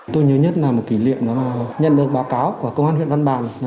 tôi nhớ nhất là một kỷ niệm đó mà nhận được báo cáo của công an huyện văn bàn